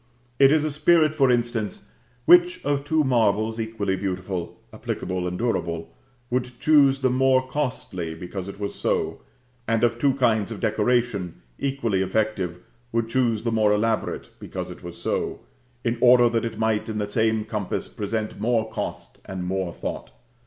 It is a spirit, for instance, which of two marbles, equally beautiful, applicable and durable, would choose the more costly because it was so, and of two kinds of decoration, equally effective, would choose the more elaborate because it was so, in order that it might in the same compass present more cost and more thought.